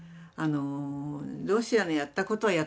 ロシアのやったことはやったことです。